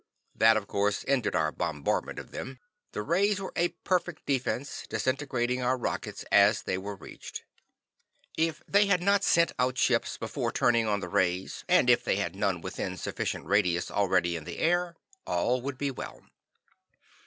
That, of course, ended our bombardment of them. The rays were a perfect defense, disintegrating our rockets as they were reached. If they had not sent out ships before turning on the rays, and if they had none within sufficient radius already in the air, all would be well.